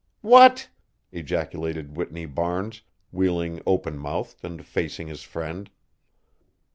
"What!" ejaculated Whitney Barnes, wheeling open mouthed and facing his friend.